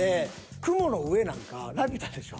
雲の上なんか「ラピュタ」でしょ。